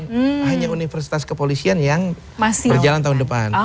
hanya universitas kepolisian yang berjalan tahun depan